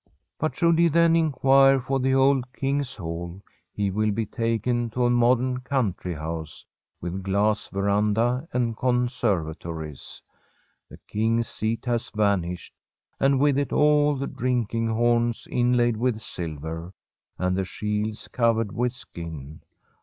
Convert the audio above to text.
But should he then inquire for the old King's Hall, he will be taken to a modern country house, with glass veranda and conservatories. The King's seat has vanished, and with it all the drink ing horns, inlaid with silver, and the shields, cov ered with skin.